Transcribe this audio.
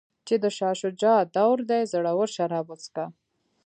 چې د شاه شجاع دور دی زړور شراب وڅښه.